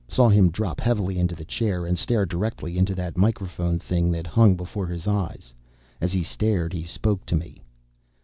Saw him drop heavily into the chair, and stare directly into that microphonic thing that hung before his eyes. As he stared, he spoke to me.